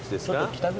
北口。